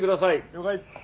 了解。